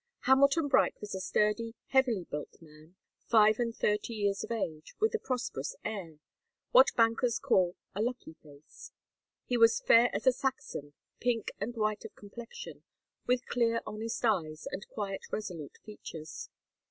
Hamilton Bright was a sturdy, heavily built man, five and thirty years of age, with a prosperous air what bankers call 'a lucky face.' He was fair as a Saxon, pink and white of complexion, with clear, honest eyes, and quiet, resolute features.